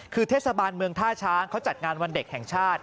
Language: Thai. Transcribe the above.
คือเทศบาลเมืองท่าช้างเขาจัดงานวันเด็กแห่งชาติ